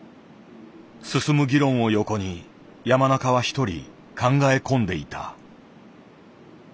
進む議論を横に山中は一人考え込んでいた。